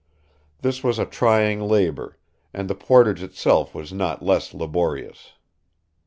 This was a trying labor; and the portage itself was not less laborious.